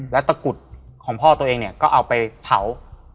และตะกุดของพ่อตัวเองก็เอาไปเผา